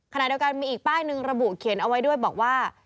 ขณะเดียวกันมีอีกป้ายหนึ่งระบุเขียนเอาไว้ด้วยบอกว่า